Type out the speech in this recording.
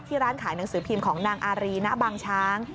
ร้านขายหนังสือพิมพ์ของนางอารีณบางช้าง